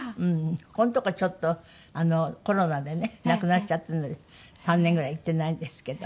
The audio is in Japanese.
ここんとこちょっとコロナでねなくなっちゃったので３年ぐらい行ってないんですけど。